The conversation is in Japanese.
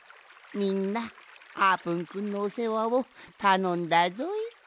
みんなあーぷんくんのおせわをたのんだぞい。